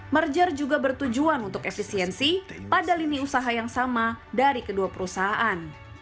merger juga bertujuan untuk efisiensi pada lini usaha yang sama dari kedua perusahaan